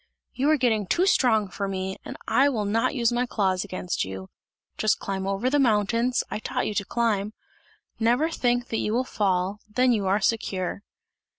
"You are getting too strong for me, and I will not use my claws against you! Just climb over the mountains, I taught you to climb! Never think that you will fall, then you are secure!"